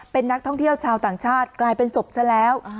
เป็นนักท่องเที่ยวชาวต่างชาติกลายเป็นศพซะแล้ว